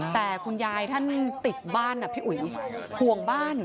แต่คุณยายท่านติดบ้านนะพี่อุ๋ยห่วงบ้าน